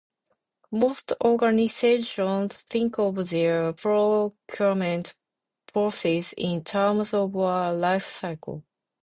Most organizations think of their procurement process in terms of a life cycle.